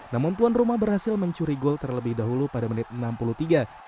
namun tuan rumah berhasil mencuri gol terlebih dahulu pada menit enam puluh tiga